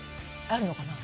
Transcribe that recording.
笛あるのかな？